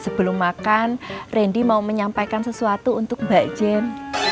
sebelum makan randy mau menyampaikan sesuatu untuk mbak jen